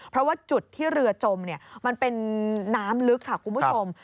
เพราะว่าจุดที่เรือจมมันเป็นน้ำลึกค่ะคุณผู้ชม